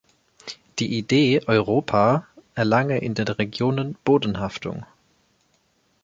Die Idee Europa erlange in den Regionen Bodenhaftung.